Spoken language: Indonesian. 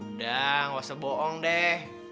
udah gak usah bohong deh